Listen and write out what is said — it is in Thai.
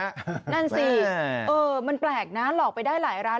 นั่นสิเออมันแปลกนะหลอกไปได้หลายร้าน